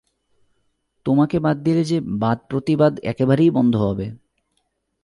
তোমাকে বাদ দিলে যে বাদপ্রতিবাদ একেবারেই বন্ধ হবে।